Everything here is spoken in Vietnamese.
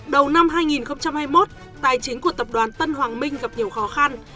đầu năm hai nghìn hai mươi một tài chính của tập đoàn tân hoàng minh gặp nhiều khó khăn